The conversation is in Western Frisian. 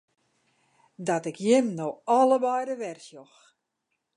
Dat ik jim no allebeide wer sjoch!